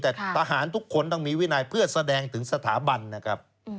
แต่ทหารทุกคนต้องมีวินัยเพื่อแสดงถึงสถาบันนะครับ